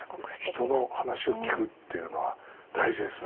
人の話を聞くっていうのは大事ですね